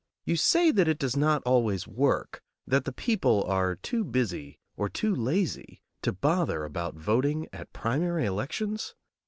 You say that it does not always work; that the people are too busy or too lazy to bother about voting at primary elections?